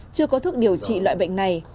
chưa có thuốc điều trị loại bệnh này